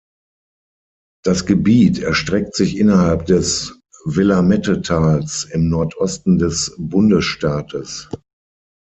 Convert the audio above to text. Das Gebiet erstreckt sich innerhalb des Willamette-Tals im Nordosten des Bundesstaates.